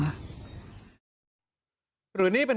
แล้วก็ให้น้ำจากบ้านเขาลงคลอมผ่านที่สุดท้าย